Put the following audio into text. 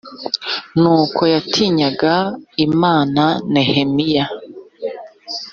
n uko yatinyaga imana nehemiya